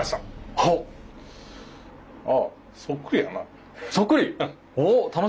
ああそっくりやな。